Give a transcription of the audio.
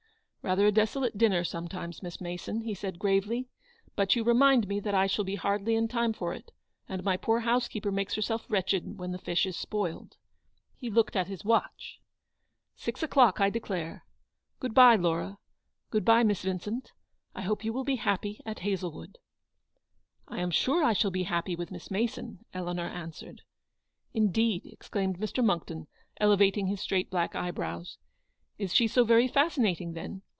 "Rather a desolate dinner, sometimes, Miss Mason," he said, gravely ;" but you remind me that I shall be hardly in time for it, and my poor housekeeper makes herself wretched when the fish is spoiled." He looked at his watch. " Six o'clock, I declare ; good bye, Laura ; good by, Miss Vincent. I hope you will be happy at Hazlewood." " I am sure I shall be happy with Miss Mason," Eleanor answered. " Indeed \" exclaimed Mr. Monckton, elevating his straight black eyebrows, " is she so very fasci nating, then?